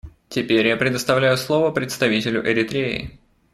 Теперь я предоставляю слово представителю Эритреи.